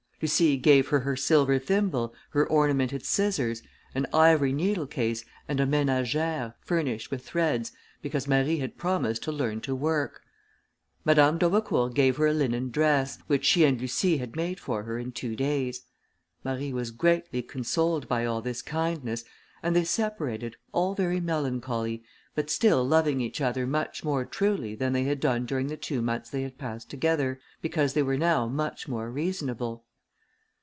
Lucie gave her her silver thimble, her ornamented scissors, an ivory needlecase, and a ménagère, furnished with threads, because Marie had promised to learn to work. Madame d'Aubecourt gave her a linen dress, which she and Lucie had made for her in two days. Marie was greatly consoled by all this kindness, and they separated, all very melancholy, but still loving each other much more truly than they had done during the two months they had passed together, because they were now much more reasonable.